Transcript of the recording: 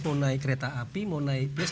mau naik kereta api mau naik bus